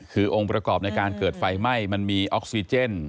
คือองค์ประกอบในการเกิดไฟไหม้มันมีออกซิเจน